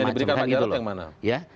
jadi diberikan pajak yang mana